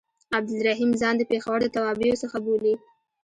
عبدالرحیم ځان د پېښور د توابعو څخه بولي.